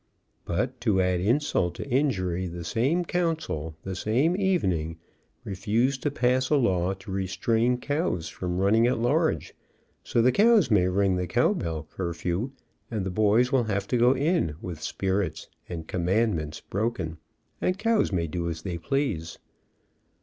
But to add insult to injury, the same council, the same evening, refused to pass a law to restrain cows from running at large, so the cows may ring the cowbell curfew, and the boys will have to go in with spirits and "command ments" broken, and cows may do as they please.